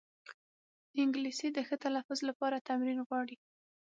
انګلیسي د ښه تلفظ لپاره تمرین غواړي